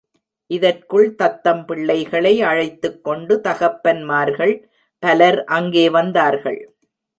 இதற்குள் தத்தம் பிள்ளைகளை அழைத்துக்கொண்டு, தகப்பன்மார்கள் பலர் அங்கே வந்தார்கள்.